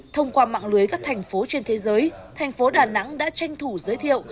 thông qua mạng lưới các thành phố trên thế giới thành phố đà nẵng đã tranh thủ giới thiệu